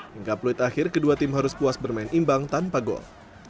hingga peluit akhir kedua tim harus puas bermain imbang tanpa gol